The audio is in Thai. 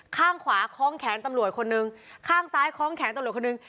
ข้างขวาคล้องแขนตำรวจคนนึงข้างซ้ายคล้องแขนตำรวจคนหนึ่ง